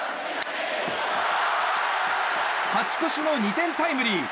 勝ち越しの２点タイムリー！